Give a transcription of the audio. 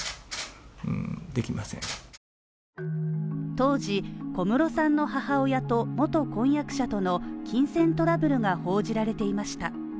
当時、小室さんの母親と元婚約者との金銭トラブルが報じられていました。